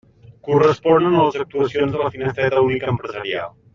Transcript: Corresponen a les actuacions de la Finestreta Única Empresarial.